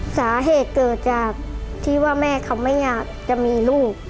สาเหตุเกิดจากที่ว่าแม่เขาไม่อยากจะมีลูก